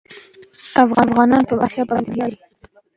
افغانان په احمدشاه بابا باندي ویاړي.